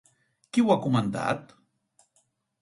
Qui ho ha comentat?